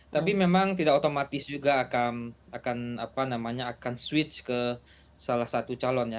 tapi memang tidak otomatis juga akan switch ke salah satu calon ya